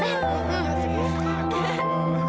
bapak hebat ya kang ya